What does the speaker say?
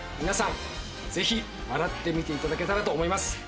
皆さん、ぜひ笑って見ていただけたらと思います。